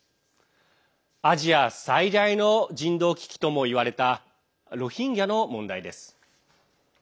アジア最大の人道危機ともいわれたロヒンギャの問題です。